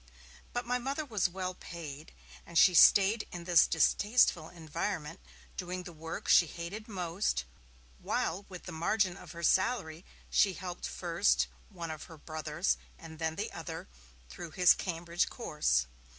But my Mother was well paid, and she stayed in this distasteful environment, doing the work she hated most, while with the margin of her salary she helped first one of her brothers and then the other through his Cambridge course.